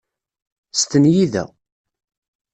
Stenyi da.